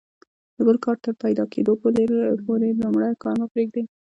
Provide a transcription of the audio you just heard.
د بل کار تر پیدا کیدلو پوري لومړی کار مه پرېږئ!